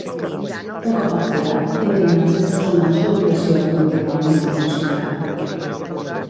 Un cop activat, tindrien els éssers humans l'obligació de continuar fent-lo funcionar?